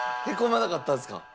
へこまなかったですか？